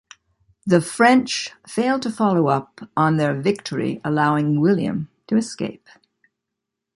The French failed to follow up on their victory, allowing William to escape.